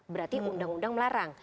berarti undang undang melarang